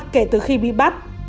kể từ khi bị bắt